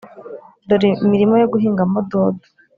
dore imirima yo guhingamo dodo